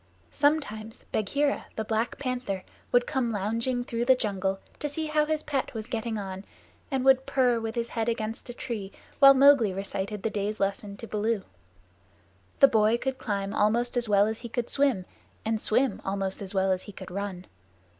Sometimes Bagheera the Black Panther would come lounging through the jungle to see how his pet was getting on, and would purr with his head against a tree while Mowgli recited the day's lesson to Baloo. The boy could climb almost as well as he could swim, and swim almost as well as he could run.